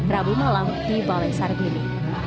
rabu malam di balai sarbini